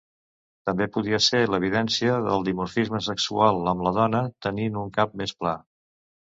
També podia ser l"evidència del dimorfisme sexual amb la dona tenint un cap més pla.